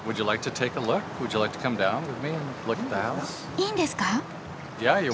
いいんですか？